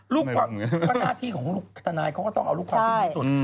หน้าที่ของลูกทนายเขาก็ต้องเอาลูกความที่ดีที่สุด